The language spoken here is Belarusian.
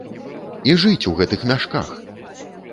І жыць у гэтых мяшках!